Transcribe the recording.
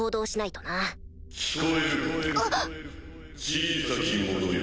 小さき者よ。